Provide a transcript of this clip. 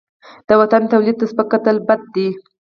د وطن تولید ته سپک کتل بد دي.